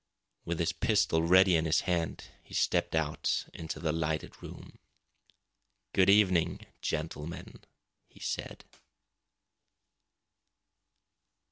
With his pistol ready in his hand he stepped out into the lighted room. "Good evening, gentlemen!" he said.